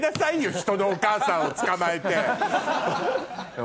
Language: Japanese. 人のお母さんをつかまえて！